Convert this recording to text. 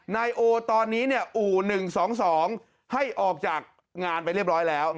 นายโอตอนนี้อู่๑๒๒ให้ออกจากงานไปเรียบร้อยแล้ว